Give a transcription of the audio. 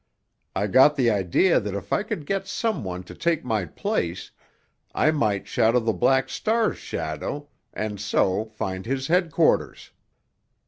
I got the idea that if I could get some one to take my place I might shadow the Black Star's shadow and so find his headquarters.